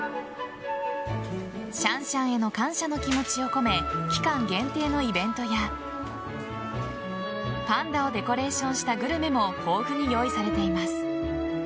シャンシャンへの感謝の気持ちを込め期間限定のイベントやパンダをデコレーションしたグルメも豊富に用意されています。